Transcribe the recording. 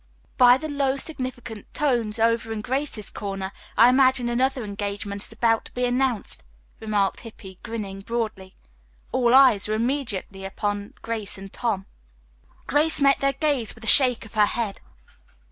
"By the low, significant tones over in Grace's corner I imagine another engagement is about to be announced," remarked Hippy, grinning broadly. All eyes were immediately turned upon Grace and Tom. Grace met their gaze with a shake of her head.